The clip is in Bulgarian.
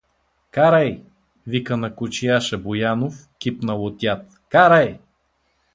Карай! — вика на кочияша Боянов, кипнал от яд — карай!